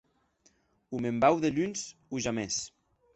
O me'n vau deluns o jamès.